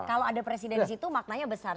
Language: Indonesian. kalau ada presiden di situ maknanya besar